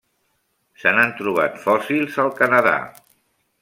Se n'han trobat fòssils al Canadà.